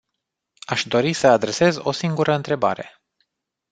Aș dori să adresez o singură întrebare.